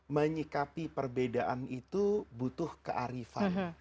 menyikapi perbedaan itu butuh kearifan